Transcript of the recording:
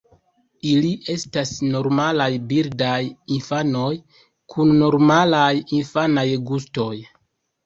Ili estas normalaj birdaj infanoj kun normalaj infanaj gustoj.